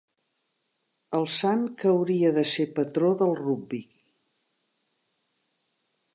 El Sant que hauria de ser patró del rugbi.